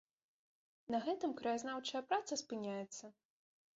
На гэтым краязнаўчая праца спыняецца.